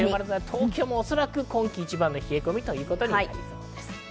東京もおそらく今季一番の冷え込みとなりそうです。